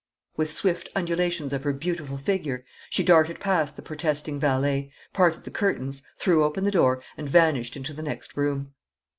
With swift undulations of her beautiful figure she darted past the protesting valet, parted the curtains, threw open the door, and vanished into the next room.